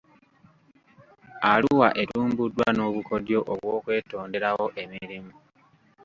Arua etumbuddwa n'obukodyo obw'okwetonderawo emirimu .